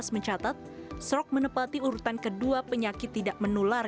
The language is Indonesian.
mencatat strok menepati urutan kedua penyakit tidak menular